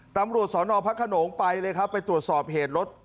ตำรวจสอนอพระขนงไปเลยครับไปตรวจสอบเหตุรถ